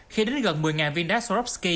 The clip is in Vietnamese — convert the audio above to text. khi đến gần một mươi viên đá swarovski